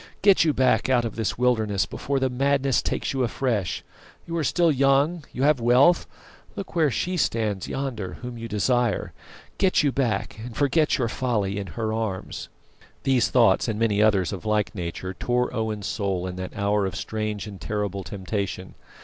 Get you back out of this wilderness before the madness takes you afresh. You are still young, you have wealth; look where She stands yonder whom you desire. Get you back, and forget your folly in her arms." These thoughts, and many others of like nature, tore Owen's soul in that hour of strange and terrible temptation.